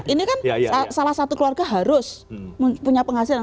ini kan salah satu keluarga harus punya penghasilan